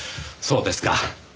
そうですか。